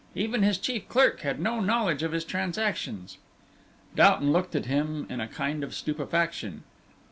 Even his chief clerk had no knowledge of his transactions." Doughton looked at him in a kind of stupefaction.